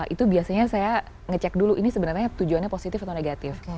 itu biasanya saya ngecek dulu ini sebenarnya tujuannya positif atau negatif